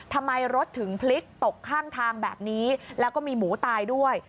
ทำไมรถถึงพลิกตกข้างทางแบบนี้แล้วก็มีหมูตายด้วย